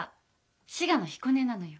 滋賀の彦根なのよ。